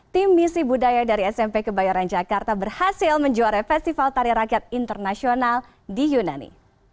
tim misi budaya dari smp kebayoran jakarta berhasil menjuara festival tari rakyat internasional di yunani